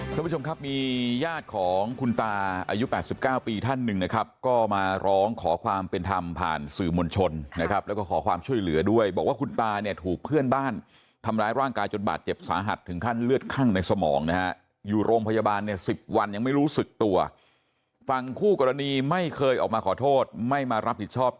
คุณผู้ชมครับมีญาติของคุณตาอายุ๘๙ปีท่านหนึ่งนะครับก็มาร้องขอความเป็นธรรมผ่านสื่อมวลชนนะครับแล้วก็ขอความช่วยเหลือด้วยบอกว่าคุณตาเนี่ยถูกเพื่อนบ้านทำร้ายร่างกายจนบาดเจ็บสาหัสถึงขั้นเลือดคั่งในสมองนะฮะอยู่โรงพยาบาลเนี่ยสิบวันยังไม่รู้สึกตัวฝั่งคู่กรณีไม่เคยออกมาขอโทษไม่มารับผิดชอบ